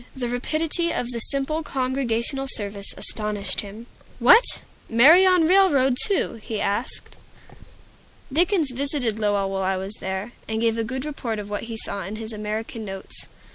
The rapidity of the simple Congregational service astonished him. "What? Marry on railroad, too?" he asked. Dickens visited Lowell while I was there, and gave a good report of what he saw in his "American Notes."